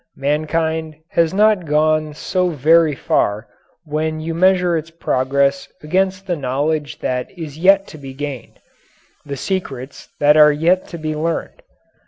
Mankind has not gone so very far when you measure its progress against the knowledge that is yet to be gained the secrets that are yet to be learned.